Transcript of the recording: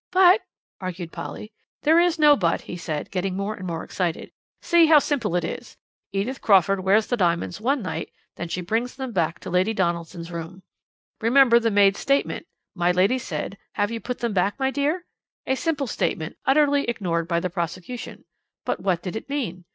"But " argued Polly. "There is no but," he said, getting more and more excited. "See how simple it is. Edith Crawford wears the diamonds one night, then she brings them back to Lady Donaldson's room. Remember the maid's statement: 'My lady said: "Have you put them back, my dear?" a simple statement, utterly ignored by the prosecution. But what did it mean?